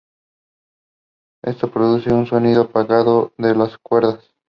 Esto produce un sonido apagado de las cuerdas.